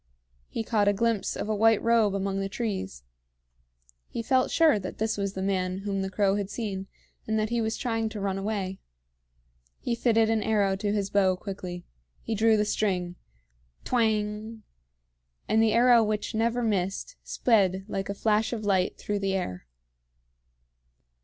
He caught a glimpse of a white robe among the trees. He felt sure that this was the man whom the crow had seen, and that he was trying to run away. He fitted an arrow to his bow quickly. He drew the string. Twang! And the arrow which never missed sped like a flash of light through the air.